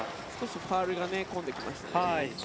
ファウルが増えてきましたね。